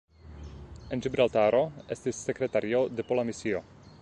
En Ĝibraltaro estis sekretario de pola misio.